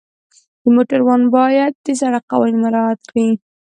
د موټروان باید د سړک قوانین رعایت کړي.